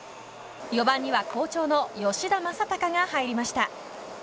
４番には好調の吉田正尚が入りました。